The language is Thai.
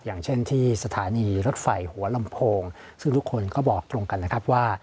อย่างเช่นที่สถานีรถไฟหัวลำโพงซึ่งทุกคนก็บอกตรงกันนะครับว่า